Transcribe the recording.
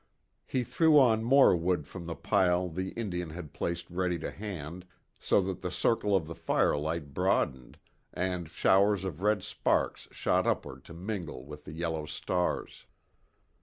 He threw on more wood from the pile the Indian had placed ready to hand, so that the circle of the firelight broadened, and showers of red sparks shot upward to mingle with the yellow stars.